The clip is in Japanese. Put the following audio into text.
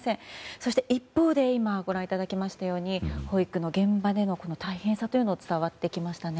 そして一方で今、ご覧いただきましたように保育の現場での大変さというのが伝わってきましたね。